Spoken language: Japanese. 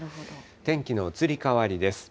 天気の移り変わりです。